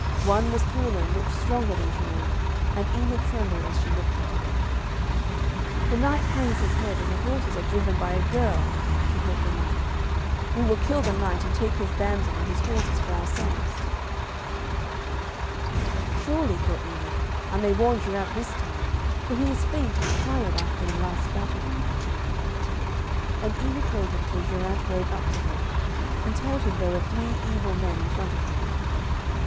One was taller and looked stronger than Geraint, and Enid trembled as she looked at him. 'The knight hangs his head, and the horses are driven by a girl,' she heard them mutter. 'We will kill the knight, and take his damsel and his horses for ourselves.' [Illustration: THROUGH WOODS AND SWAMPS ENID AND GERAINT RODE IN SILENCE Page 19] 'Surely,' thought Enid, 'I may warn Geraint this time, for he is faint and tired after the last battle.' And Enid waited till Geraint rode up to her, and told him there were three evil men in front of them.